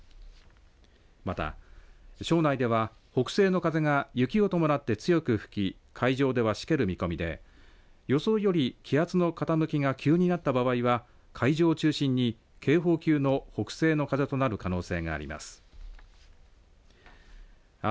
また庄内では北西の風が雪を伴って強く吹き会場ではしける見込みで予想より気圧の傾きが急になった場合は海上を中心に警報級の北西の風となる可能性があります。